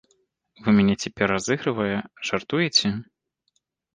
Вы мяне цяпер разыгрывае, жартуеце?